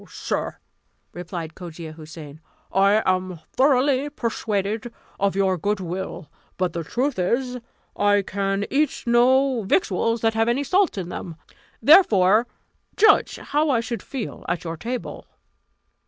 "Sir," replied Cogia Houssain, "I am thoroughly persuaded of your good will; but the truth is, I can eat no victuals that have any salt in them; therefore judge how I should feel at your table."